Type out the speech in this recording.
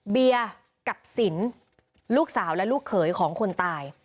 เบียร์กับสินลูกสาวและลูกเขยของคนตาย